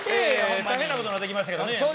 大変なことなってきましたけどね。